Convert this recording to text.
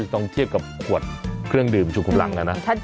ค่อยต้องเชียกกับขวดเครื่องดื่มชูกรังนะนะ